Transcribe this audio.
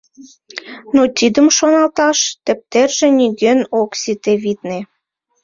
Но тидым шоналташ тептерже нигӧн ок сите, витне.